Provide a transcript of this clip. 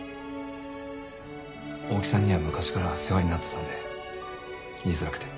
大木さんには昔から世話になってたんで言いづらくて。